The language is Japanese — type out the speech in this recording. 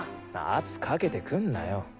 圧かけてくんなよ。